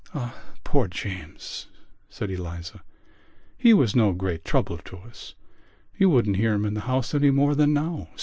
"Ah, poor James!" said Eliza. "He was no great trouble to us. You wouldn't hear him in the house any more than now.